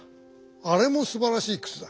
あれもすばらしいくつだ。